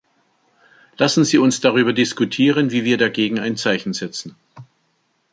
Lassen Sie uns darüber diskutieren, wie wir dagegen ein Zeichen setzen.